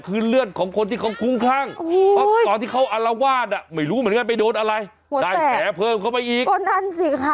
มึงก็จะพูดสภาพเกินไปเลย